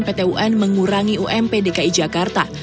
pemprov dki jakarta mengurangi ump dki jakarta